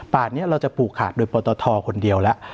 นี้เราจะปลูกขาดโดยปตทคนเดียวแล้ว